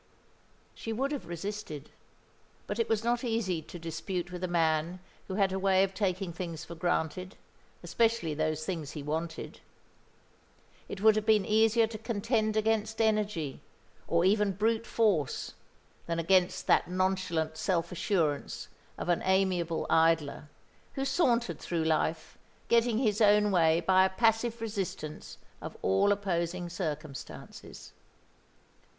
She would have resisted; but it was not easy to dispute with a man who had a way of taking things for granted, especially those things he wanted. It would have been easier to contend against energy, or even brute force, than against that nonchalant self assurance of an amiable idler, who sauntered through life, getting his own way by a passive resistance of all opposing circumstances.